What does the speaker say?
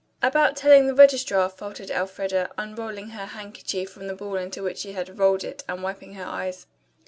"About telling the registrar," faltered Elfreda, unrolling her handkerchief from the ball into which she had rolled it and wiping her eyes.